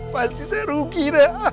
pasti saya rugi dah